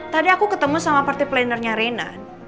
tadi aku ketemu sama partai planernya reina